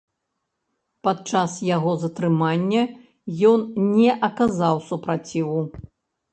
Падчас яго затрымання ён не аказаў супраціву.